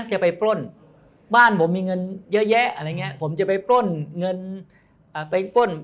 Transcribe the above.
จะไปปล้นบ้านผมมีเงินเยอะแยะผมจะไปปล้น